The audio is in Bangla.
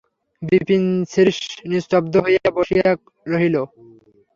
বিপিন শ্রীশ নিস্তব্ধ হইয়া বসিয়া রহিল।